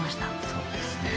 そうですね。